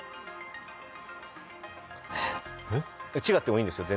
違ってもいいんですよ。